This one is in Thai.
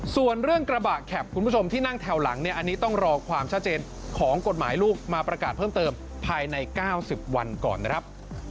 ส่วนเรื่องกระบะแข็บคุณผู้ชมที่นั่งแถวหลังเนี่ยอันนี้ต้องรอความชัดเจนของกฎหมายลูกมาประกาศเพิ่มเติมภายใน๙๐วันก่อนนะครับ